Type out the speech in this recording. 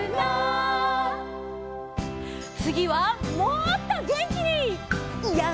つぎはもっとげんきに！